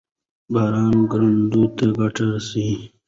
باران کروندو ته ګټه رسوي.